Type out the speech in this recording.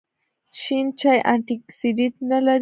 شین چای انټي اکسیډنټ لري